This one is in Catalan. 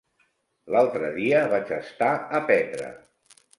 L'altre dia vaig estar a Petra.